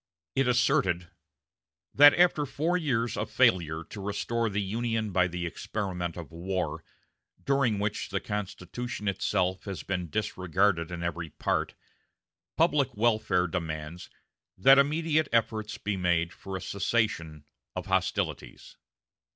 It asserted: "That after four years of failure to restore the Union by the experiment of war, during which ... the Constitution itself has been disregarded in every part," public welfare demands "that immediate efforts be made for a cessation of hostilities."